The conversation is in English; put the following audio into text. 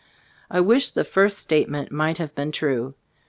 I wish the first statement might have been true.